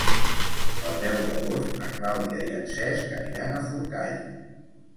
El deu d'agost na Clàudia i en Cesc aniran a Forcall.